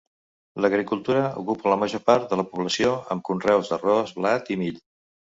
L'agricultura ocupa la major part de la població, amb conreus d'arròs, blat i mill.